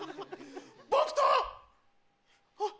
僕とあっ。